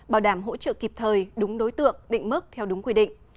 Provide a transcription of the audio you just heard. bảo đảm hỗ trợ kịp thời đúng đối tượng định mức theo đúng quy định